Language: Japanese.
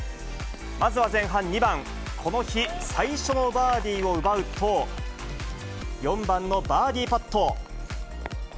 まずは前半２番、この日、最初のバーディーを奪うと、４番のバーディーパット。